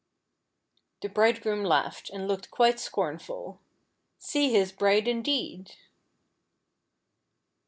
The Bridegroom laughed, and looked quite scornful. See his bride indeed